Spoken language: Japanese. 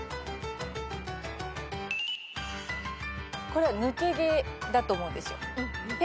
これは抜け毛だと思うんですよ。